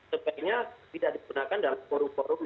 sebaiknya tidak digunakan dalam forum forum